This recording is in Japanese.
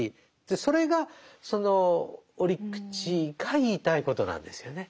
それがその折口が言いたいことなんですよね。